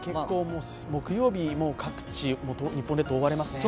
木曜日各地、日本列島覆われますね。